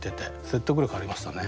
説得力ありましたね。